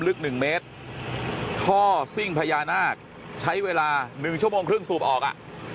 ลึกหนึ่งเมตรท่อซิ่งพญานาคใช้เวลาหนึ่งชั่วโมงครึ่งสูบออกอ่ะ